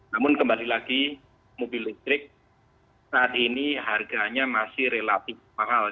namun kembali lagi mobil listrik saat ini harganya masih relatif mahal